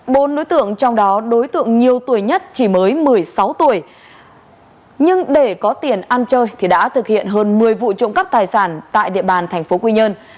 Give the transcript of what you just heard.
bốn đối tượng trong đó đối tượng nhiều tuổi nhất chỉ mới một mươi sáu tuổi nhưng để có tiền ăn chơi thì đã thực hiện hơn một mươi vụ trộm cắp tài sản tại địa bàn thành phố quy nhơn